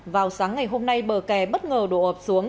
vào sáng ngày hôm nay bờ kè bất ngờ đổ ập xuống